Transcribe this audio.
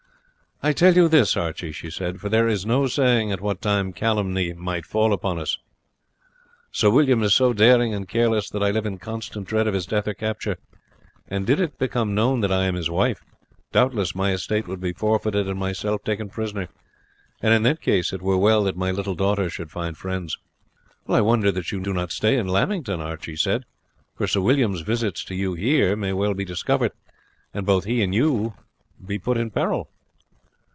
"I tell you this, Archie," she said, "for there is no saying at what time calamity may fall upon us. Sir William is so daring and careless that I live in constant dread of his death or capture; and did it become known that I am his wife, doubtless my estate would be forfeited and myself taken prisoner; and in that case it were well that my little daughter should find friends." "I wonder that you do not stay at Lamington," Archie said; "for Sir William's visits to you here may well be discovered, and both he and you be put in peril."